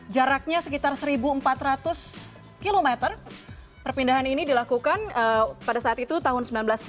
jaraknya sekitar seribu empat ratus km perpindahan ini dilakukan pada saat itu tahun seribu sembilan ratus delapan puluh